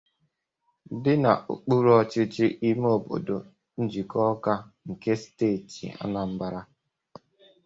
dị n'okpuru ọchịchị ime obodo Njikọka nke steeti Anambra